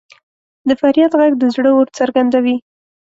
د فریاد ږغ د زړه اور څرګندوي.